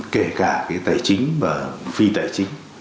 kể cả cái tài chính và phi tài